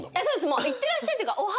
もういってらっしゃいっていうか。